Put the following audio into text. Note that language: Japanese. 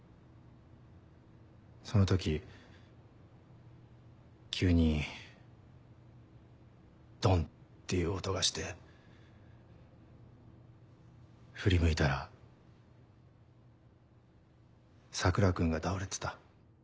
その時急にドンっていう音がして振り向いたら桜君が倒れてた。